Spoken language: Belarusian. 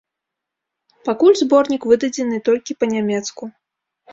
Пакуль зборнік выдадзены толькі па-нямецку.